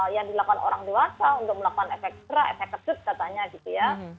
yang dilakukan orang dewasa untuk melakukan efek cerah efek kejut katanya gitu ya